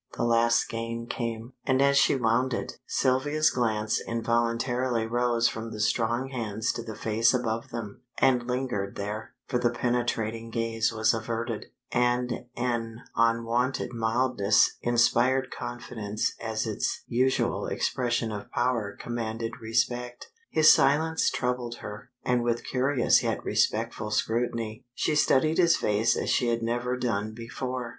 The last skein came, and as she wound it, Sylvia's glance involuntarily rose from the strong hands to the face above them, and lingered there, for the penetrating gaze was averted, and an unwonted mildness inspired confidence as its usual expression of power commanded respect. His silence troubled her, and with curious yet respectful scrutiny, she studied his face as she had never done before.